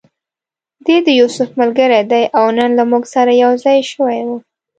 دی د یوسف ملګری دی او نن له موږ سره یو ځای شوی و.